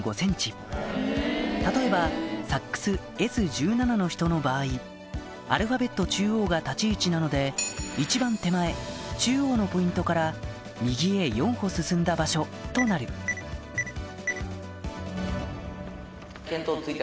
例えばサックスＳ１７の人の場合アルファベット中央が立ち位置なので一番手前中央のポイントから右へ４歩進んだ場所となるはい。